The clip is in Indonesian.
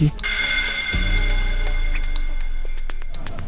ini bunga untuk ibu andin pak